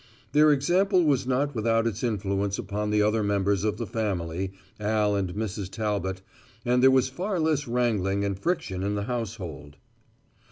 Their example was not without its influence upon the other members of the family, Al and Mrs. Talbot, and there was far less wrangling and friction in the household.